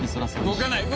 動かない！